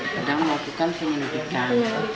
sedang melakukan penyelidikan